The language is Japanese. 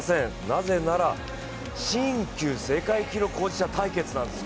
なぜなら新旧世界記録保持者の対決なんです。